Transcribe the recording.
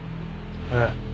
ええ。